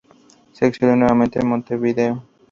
Se exilió nuevamente en Montevideo.